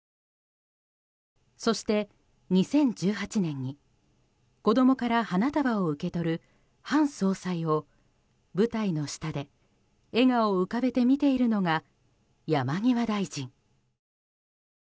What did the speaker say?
そして、２０１８年に子供から花束を受け取る韓総裁を舞台の下で笑顔を浮かべて見ているのが山際大臣。